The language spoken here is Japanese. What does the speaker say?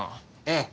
ええ。